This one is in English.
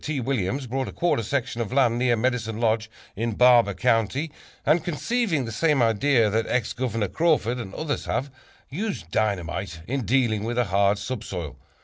T. Williams bought a quarter section of land near Medicine Lodge in Barber County, and, conceiving the same idea that Ex Governor Crawford and others have, used dynamite in dealing with a hard subsoil.